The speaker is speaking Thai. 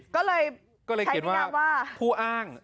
ก็เลยอย่างนี้ว่าก็เลยคิดว่าผู้อ้าง